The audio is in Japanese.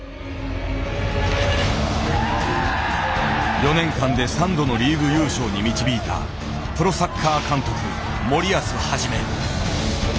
４年間で３度のリーグ優勝に導いたプロサッカー監督森保一。